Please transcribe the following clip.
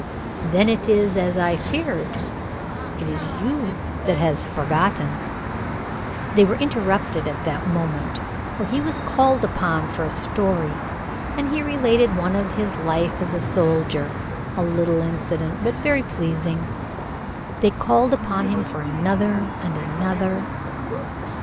Then it is as I feared. It is you who have forgotten." They were interrupted at that moment, for he was called upon for a story, and he related one of his life as a soldier, a little incident, but everything pleased. They called upon him for another and another.